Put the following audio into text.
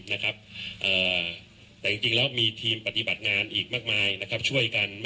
แต่จริงแล้วมีทีมปฏิบัติงานอีกมากมายช่วยกัน